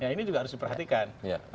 ini juga harus diperhatikan